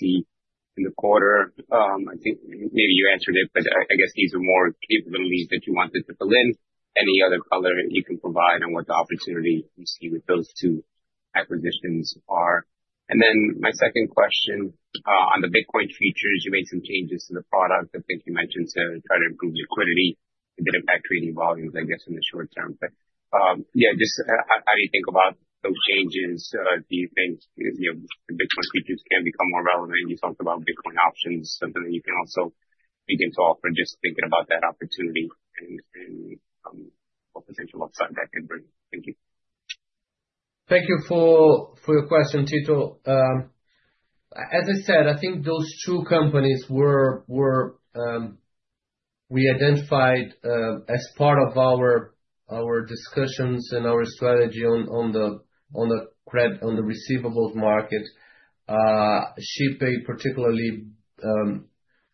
in the quarter. I think maybe you answered it, but I guess these are more capabilities that you wanted to fill in. Any other color you can provide on what the opportunity you see with those two acquisitions are? And then my second question on the Bitcoin futures, you made some changes to the product. I think you mentioned to try to improve liquidity. It didn't affect trading volumes, I guess, in the short term. But yeah, just how do you think about those changes? Do you think the Bitcoin futures can become more relevant? You talked about Bitcoin options, something that you can also begin to offer, just thinking about that opportunity and what potential upside that could bring. Thank you. Thank you for your question, Tito. As I said, I think those two companies were, we identified as part of our discussions and our strategy on the receivables market. Shippay particularly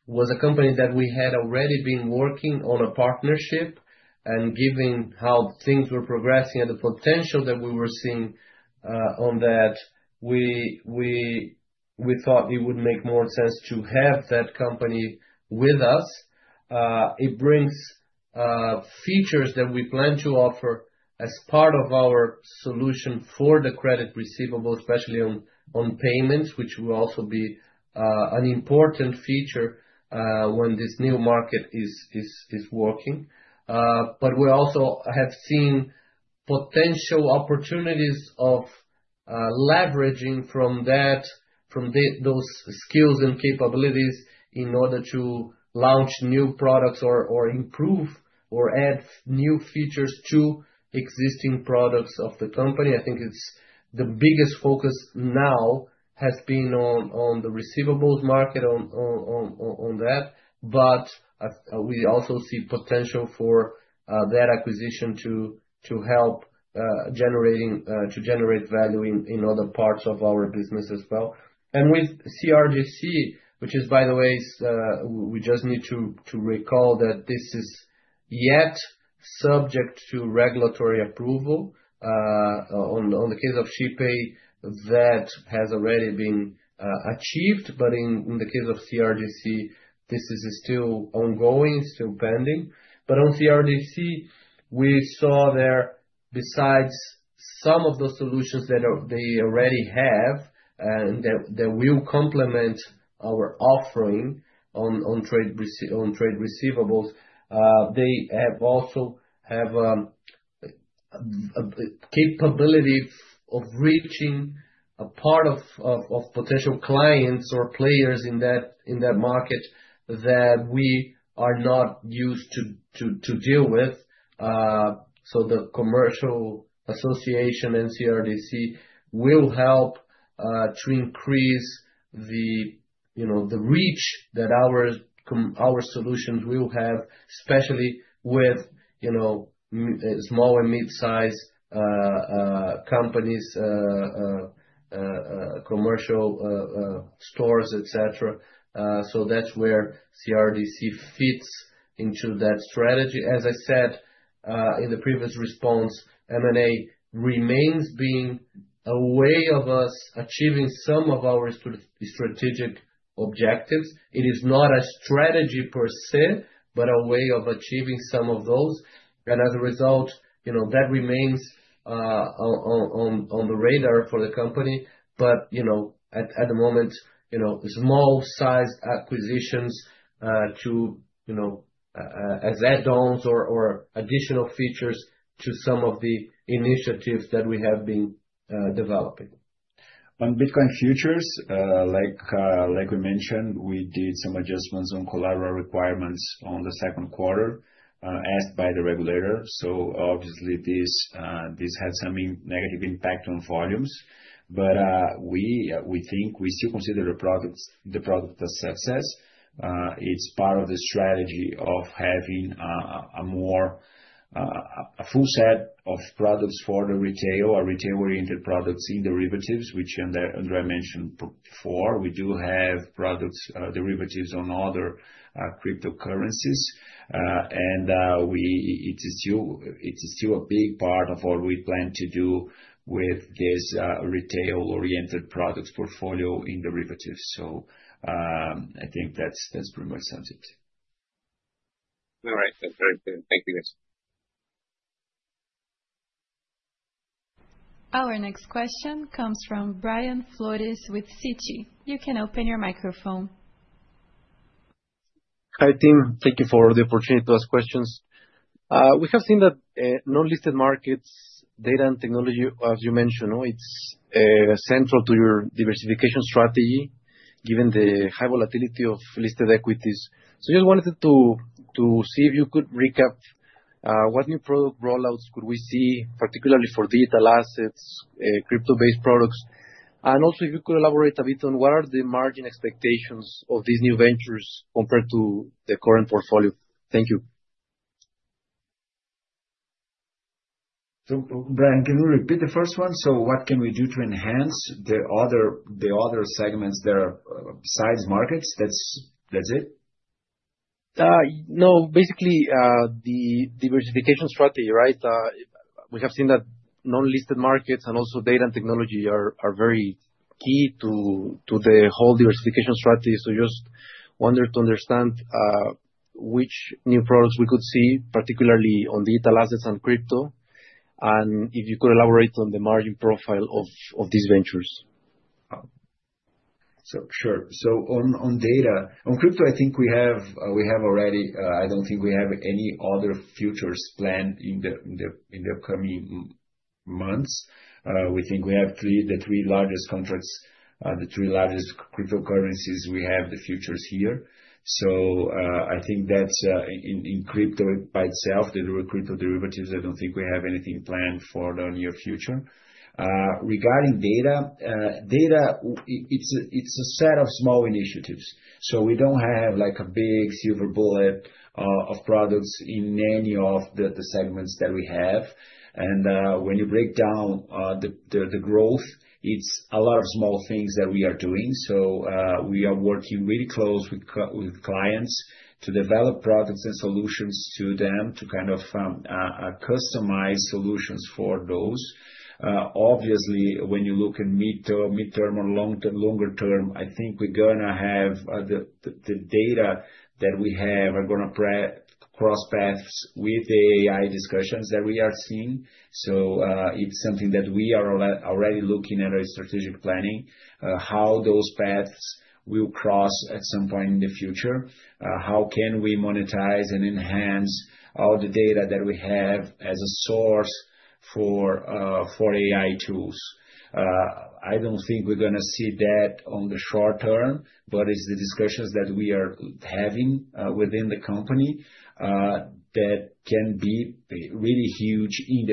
was a company that we had already been working on a partnership and given how things were progressing and the potential that we were seeing on that, we thought it would make more sense to have that company with us. It brings features that we plan to offer as part of our solution for the credit receivables, especially on payments, which will also be an important feature when this new market is working. But we also have seen potential opportunities of leveraging from those skills and capabilities in order to launch new products or improve or add new features to existing products of the company. I think the biggest focus now has been on the receivables market, on that. But we also see potential for that acquisition to help generate value in other parts of our business as well. And with CRDC, which is, by the way, we just need to recall that this is yet subject to regulatory approval. On the case of Shippay, that has already been achieved, but in the case of CRDC, this is still ongoing, still pending. But on CRDC, we saw there, besides some of the solutions that they already have and that will complement our offering on trade receivables, they also have a capability of reaching a part of potential clients or players in that market that we are not used to deal with. So the commercial association and CRDC will help to increase the reach that our solutions will have, especially with small and mid-sized companies, commercial stores, etc. So that's where CRDC fits into that strategy. As I said in the previous response, M&A remains being a way of us achieving some of our strategic objectives. It is not a strategy per se, but a way of achieving some of those. And as a result, that remains on the radar for the company. But at the moment, small-sized acquisitions such as add-ons or additional features to some of the initiatives that we have been developing. On Bitcoin futures, like we mentioned, we did some adjustments on collateral requirements on the second quarter asked by the regulator, so obviously, this had some negative impact on volumes, but we think we still consider the product a success. It's part of the strategy of having a full set of products for the retail, our retail-oriented products in derivatives, which André mentioned before. We do have products, derivatives on other cryptocurrencies, and it is still a big part of what we plan to do with this retail-oriented products portfolio in derivatives, so I think that's pretty much it. All right. That's very clear. Thank you, guys. Our next question comes from Brian Flores with Citi. You can open your microphone. Hi team. Thank you for the opportunity to ask questions. We have seen that non-listed markets, data and technology, as you mentioned, it's central to your diversification strategy given the high volatility of listed equities. So I just wanted to see if you could recap what new product rollouts could we see, particularly for digital assets, crypto-based products? And also, if you could elaborate a bit on what are the margin expectations of these new ventures compared to the current portfolio? Thank you. Brian, can you repeat the first one? So, what can we do to enhance the other segments there besides markets? That's it? No, basically the diversification strategy, right? We have seen that non-listed markets and also data and technology are very key to the whole diversification strategy. So just wanted to understand which new products we could see, particularly on digital assets and crypto. And if you could elaborate on the margin profile of these ventures. Sure. So on data, on crypto, I think we have already. I don't think we have any other futures planned in the upcoming months. We think we have the three largest contracts, the three largest cryptocurrencies. We have the futures here. So I think that's in crypto by itself, the crypto derivatives. I don't think we have anything planned for the near future. Regarding data, data, it's a set of small initiatives. So we don't have a big silver bullet of products in any of the segments that we have, and when you break down the growth, it's a lot of small things that we are doing. So we are working really close with clients to develop products and solutions to them to kind of customize solutions for those. Obviously, when you look at mid-term or longer term, I think we're going to have the data that we have are going to cross paths with the AI discussions that we are seeing. So it's something that we are already looking at our strategic planning, how those paths will cross at some point in the future. How can we monetize and enhance all the data that we have as a source for AI tools? I don't think we're going to see that on the short term, but it's the discussions that we are having within the company that can be really huge in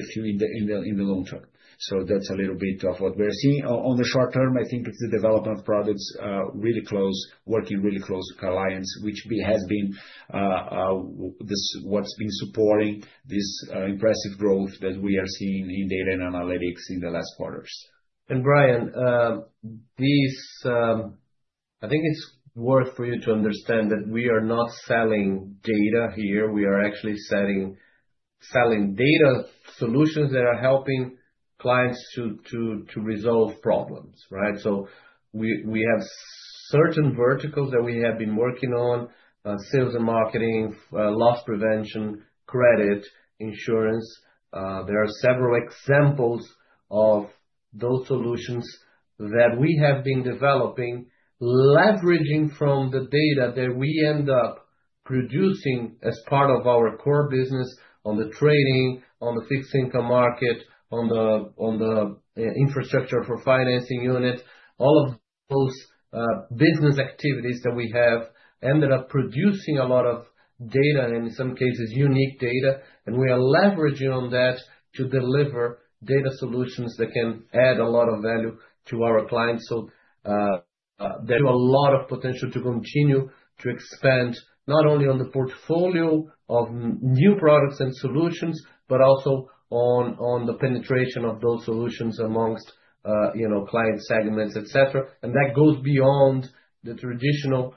the long term. So that's a little bit of what we're seeing. On the short term, I think it's the development of products really close, working really close to clients, which has been what's been supporting this impressive growth that we are seeing in data and analytics in the last quarters. Brian, I think it's worth for you to understand that we are not selling data here. We are actually selling data solutions that are helping clients to resolve problems, right? So we have certain verticals that we have been working on: sales and marketing, loss prevention, credit, insurance. There are several examples of those solutions that we have been developing, leveraging from the data that we end up producing as part of our core business on the trading, on the fixed income market, on the Infrastructure For Financing Units. All of those business activities that we have ended up producing a lot of data and in some cases unique data. We are leveraging on that to deliver data solutions that can add a lot of value to our clients. So there's a lot of potential to continue to expand not only on the portfolio of new products and solutions, but also on the penetration of those solutions amongst client segments, etc. And that goes beyond the traditional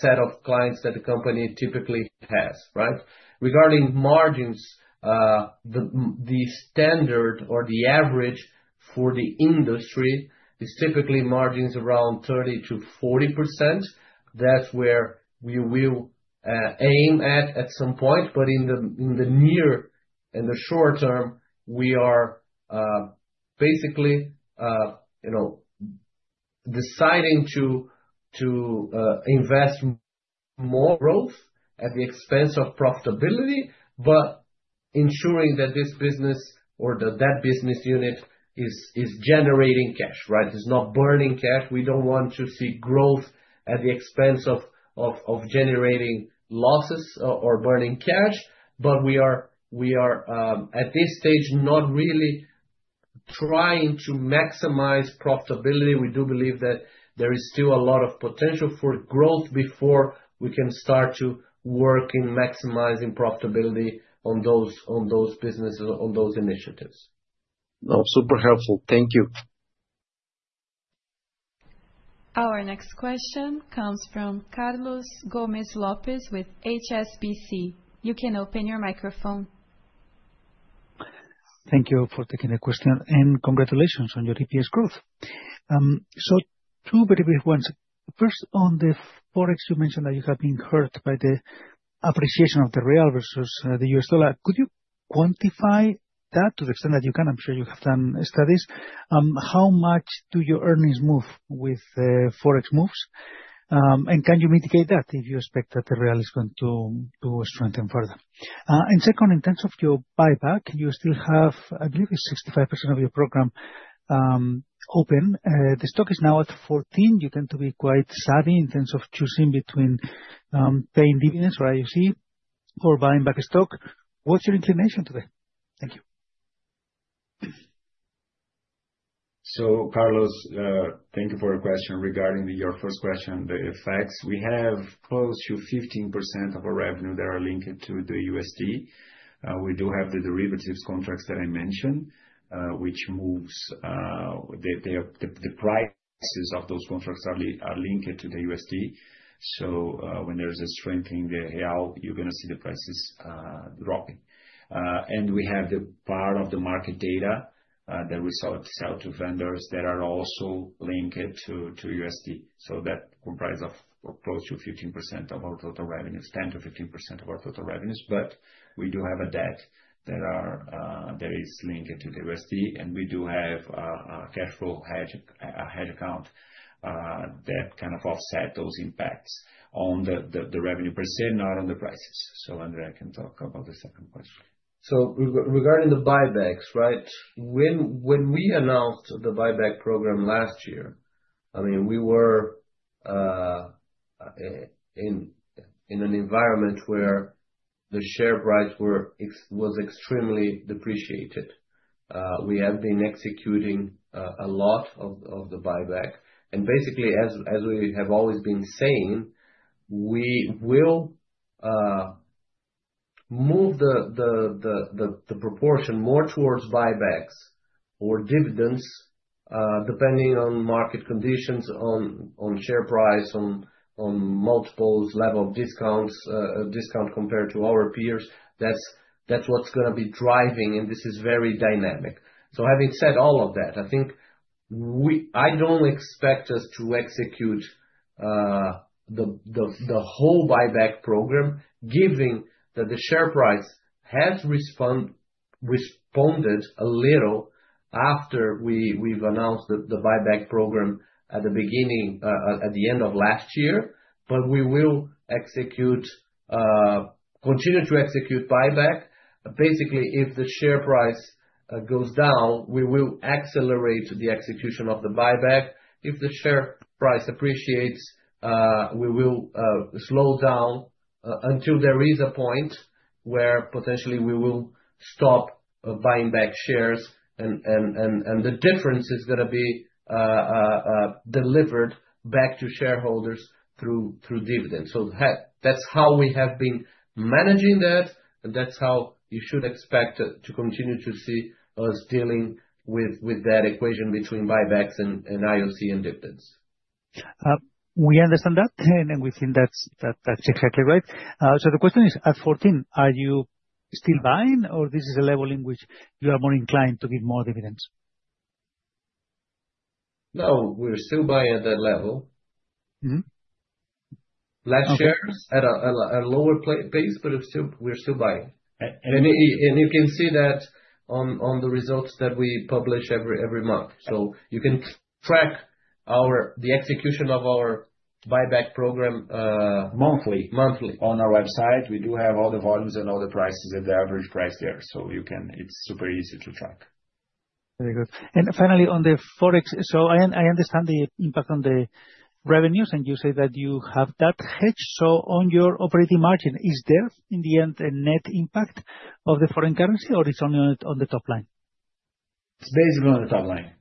set of clients that the company typically has, right? Regarding margins, the standard or the average for the industry is typically margins around 30%-40%. That's where we will aim at some point. But in the near and the short term, we are basically deciding to invest more growth at the expense of profitability, but ensuring that this business or that business unit is generating cash, right? It's not burning cash. We don't want to see growth at the expense of generating losses or burning cash. But we are at this stage not really trying to maximize profitability. We do believe that there is still a lot of potential for growth before we can start to work in maximizing profitability on those businesses, on those initiatives. No, super helpful. Thank you. Our next question comes from Carlos Gomez-Lopez with HSBC. You can open your microphone. Thank you for taking the question and congratulations on your EPS growth. So two very brief ones. First, on the Forex, you mentioned that you have been hurt by the appreciation of the real versus the US dollar. Could you quantify that to the extent that you can? I'm sure you have done studies. How much do your earnings move with Forex moves? And can you mitigate that if you expect that the real is going to strengthen further? And second, in terms of your buyback, you still have, I believe it's 65% of your program open. The stock is now at 14. You tend to be quite savvy in terms of choosing between paying dividends or IOC or buying back stock. What's your inclination today? Thank you. So Carlos, thank you for your question. Regarding your first question, the effects, we have close to 15% of our revenue that are linked to the USD. We do have the derivatives contracts that I mentioned, which moves the prices of those contracts are linked to the USD. So when there's a strengthening in the real, you're going to see the prices dropping. And we have the part of the market data that we sell to vendors that are also linked to USD. So that comprises close to 15% of our total revenues, 10%-15% of our total revenues. But we do have a debt that is linked to the USD. And we do have a cash flow hedge account that kind of offsets those impacts on the revenue per se, not on the prices. So André can talk about the second question. So regarding the buybacks, right? When we announced the buyback program last year, I mean, we were in an environment where the share price was extremely depreciated. We have been executing a lot of the buyback. And basically, as we have always been saying, we will move the proportion more towards buybacks or dividends depending on market conditions, on share price, on multiples level of discount compared to our peers. That's what's going to be driving, and this is very dynamic. So having said all of that, I think I don't expect us to execute the whole buyback program, given that the share price has responded a little after we've announced the buyback program at the beginning, at the end of last year. But we will continue to execute buyback. Basically, if the share price goes down, we will accelerate the execution of the buyback. If the share price appreciates, we will slow down until there is a point where potentially we will stop buying back shares. And the difference is going to be delivered back to shareholders through dividends. So that's how we have been managing that. That's how you should expect to continue to see us dealing with that equation between buybacks and IOC and dividends. We understand that, and we think that's exactly right. So the question is, at 14, are you still buying, or this is a level in which you are more inclined to give more dividends? No, we're still buying at that level. Last year at a lower pace, but we're still buying. And you can see that on the results that we publish every month. So you can track the execution of our buyback program. Monthly. Monthly. On our website, we do have all the volumes and all the prices and the average price there. So it's super easy to track. Very good. And finally, on the Forex, so I understand the impact on the revenues, and you say that you have that hedge. So on your operating margin, is there in the end a net impact of the foreign currency, or it's only on the top line? It's basically on the top line.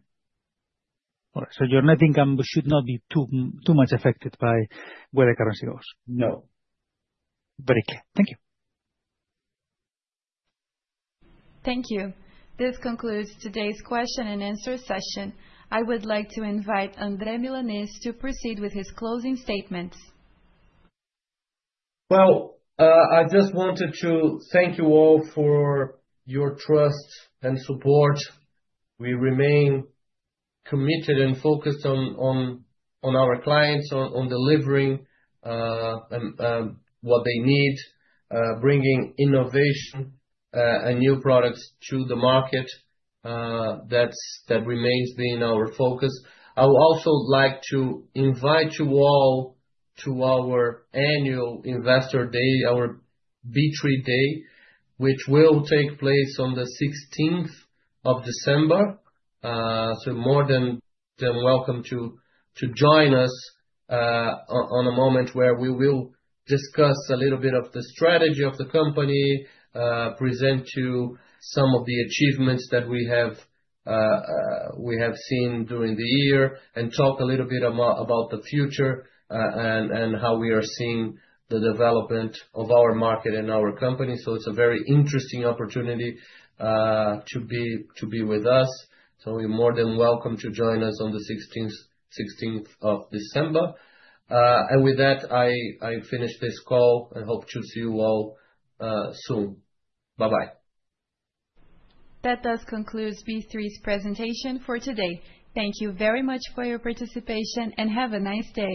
All right. So your net income should not be too much affected by where the currency goes. No. Very clear. Thank you. Thank you. This concludes today's question and answer session. I would like to invite André Milanez to proceed with his closing statements. I just wanted to thank you all for your trust and support. We remain committed and focused on our clients, on delivering what they need, bringing innovation and new products to the market. That remains being our focus. I would also like to invite you all to our annual investor day, our B3 Day, which will take place on the 16th of December. More than welcome to join us in a moment where we will discuss a little bit of the strategy of the company, present to you some of the achievements that we have seen during the year, and talk a little bit about the future and how we are seeing the development of our market and our company. It's a very interesting opportunity to be with us. You're more than welcome to join us on the 16th of December. With that, I finish this call and hope to see you all soon. Bye-bye. That does conclude B3's presentation for today. Thank you very much for your participation and have a nice day.